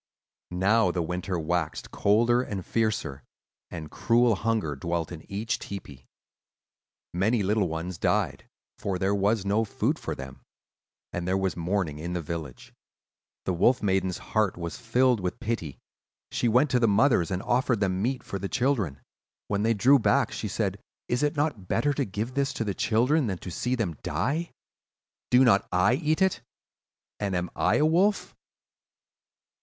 "Now the winter waxed colder and fiercer, and cruel hunger dwelt in each tepee. Many little ones died, for there was no food for them; and there was mourning in the village. The Wolf Maiden's heart was filled with pity; she went to the mothers and offered them meat for the children. When they drew back she said, 'Is it not better to give this to the children than to see them die? Do not I eat it, and am I a wolf?